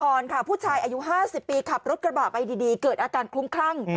ค่ะผู้ชายอายุ๕๐ปีขับรถกระบะไปดีเกิดอาการคลุ้มคลั่ง